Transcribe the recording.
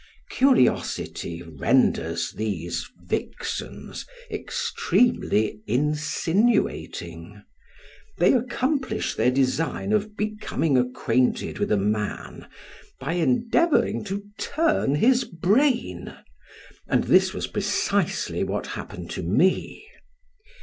Curiosity renders these vixens extremely insinuating; they accomplish their design of becoming acquainted with a man by endeavoring to turn his brain, and this was precisely what happened to me.